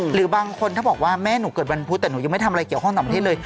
หรือบางคนถ้าบอกว่าแม่หนูเกิดวันพุธแต่หนูยังไม่ทำอะไรเกี่ยวข้องต่างประเทศเลย